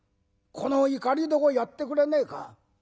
このいかり床やってくれねえか？